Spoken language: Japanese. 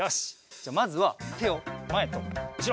じゃまずはてをまえとうしろ！